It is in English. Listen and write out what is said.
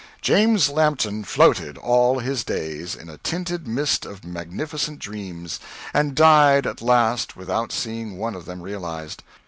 James Lampton floated, all his days, in a tinted mist of magnificent dreams, and died at last without seeing one of them realized.